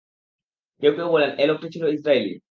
কেউ কেউ বলেন, এ লোকটি ছিল ইসরাঈলী।